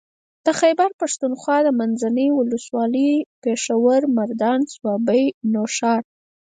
د خېبر پښتونخوا منځنۍ ولسوالۍ پېښور مردان صوابۍ نوښار